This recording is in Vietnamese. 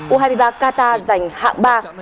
u hai mươi ba qatar giành hạng ba